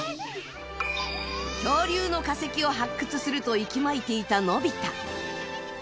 恐竜の化石を発掘すると息巻いていた、のび太。